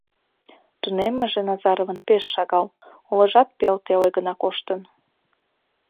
Тунеммыже Назаровын пеш шагал, улыжат пел теле гына коштын.